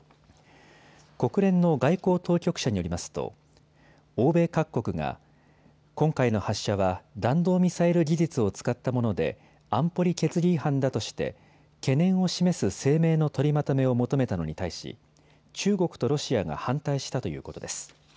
国連の外交当局者によりますと欧米各国が今回の発射は弾道ミサイル技術を使ったもので安保理決議違反だとして懸念を示す声明の取りまとめを求めたのに対し中国とロシアが反対したということです。